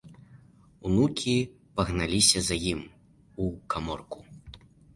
Унукі пагналіся за ім у каморку.